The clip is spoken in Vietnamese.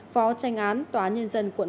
phó tranh án tòa nhân dân quận bốn